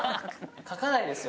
描かないですよ